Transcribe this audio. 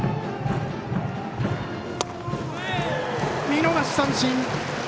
見逃し三振。